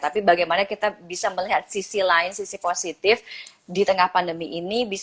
tapi bagaimana kita bisa melihat sisi lain sisi positif di tengah pandemi ini